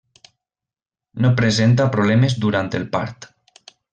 No presenta problemes durant el part.